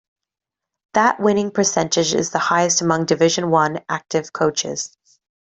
That winning percentage is the highest among Division I active coaches.